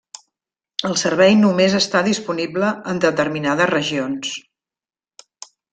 El servei només està disponible en determinades regions.